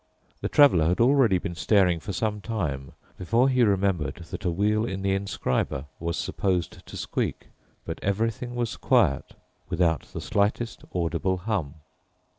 The Traveler had already been staring for some time before he remembered that a wheel in the inscriber was supposed to squeak. But everything was quiet, without the slightest audible hum.